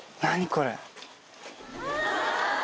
これ。